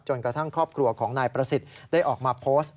กระทั่งครอบครัวของนายประสิทธิ์ได้ออกมาโพสต์